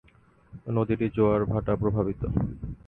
নদীটি জোয়ার ভাটা প্রভাবিত।